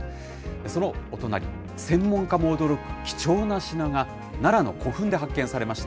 そのお隣、専門家も驚く貴重な品が、奈良の古墳で発見されました。